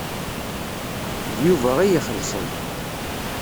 D Yuba ay ixellṣen.